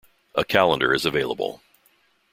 A calendar is available.